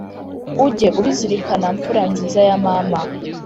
Ujye ubizirikana mfura nziza ya Mama !